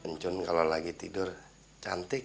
ncun kalo lagi tidur cantik